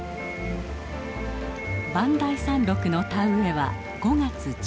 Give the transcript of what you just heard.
磐梯山麓の田植えは５月中旬。